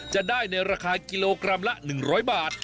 จะได้ในราคากิโลกรัมละ๑๐๐บาท